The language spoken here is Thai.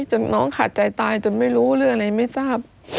จนน้องขาดใจตายจนไม่รู้หรืออะไรไม่ทราบ